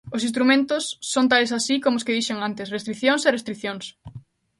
Os instrumentos son tales así como os que dixen antes: restricións e restricións.